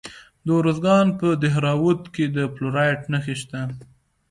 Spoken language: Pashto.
د ارزګان په دهراوود کې د فلورایټ نښې شته.